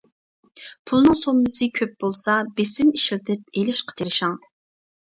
پۇلنىڭ سوممىسى كۆپ بولسا بېسىم ئىشلىتىپ ئېلىشقا تىرىشىڭ.